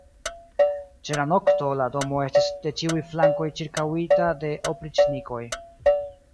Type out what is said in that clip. Ĉe la nokto la domo estis de ĉiuj flankoj ĉirkaŭita de opriĉnikoj.